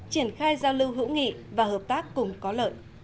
triển khai giao lưu hữu nghị và hợp tác cùng có lợi